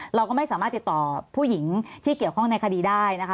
เราก็ไม่สามารถติดต่อผู้หญิงที่เกี่ยวข้องในคดีได้นะคะ